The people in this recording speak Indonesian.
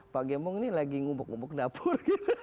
pak gembong ini lagi ngumpuk ngubuk dapur